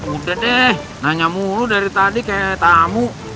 udah deh nanya mulu dari tadi kayak tamu